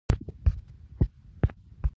پر لاره د ډېرو هېوادونو مسلمانان راسره ملګري شول.